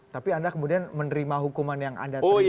tapi anda kemudian menerima hukuman yang anda terima